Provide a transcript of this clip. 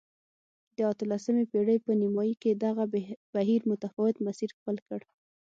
د اتلسمې پېړۍ په نیمايي کې دغه بهیر متفاوت مسیر خپل کړ.